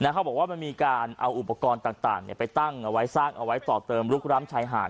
เขาบอกว่ามันมีการเอาอุปกรณ์ต่างไปตั้งเอาไว้สร้างเอาไว้ต่อเติมลุกร้ำชายหาด